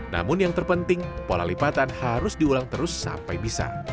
namun yang terpenting pola lipatan harus diulang terus sampai bisa